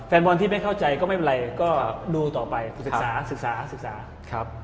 แฟนบอลที่ไม่เข้าใจก็ไม่เป็นไรก็ดูต่อไปศึกษาศึกษาครับ